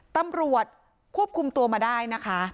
ตำรวจควบคุมตัวมาได้นะคะ